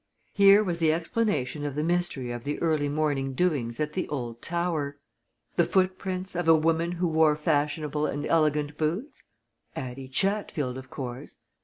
Here was the explanation of the mystery of the early morning doings at the old tower. The footprints of a woman who wore fashionable and elegant boots? Addie Chatfield, of course!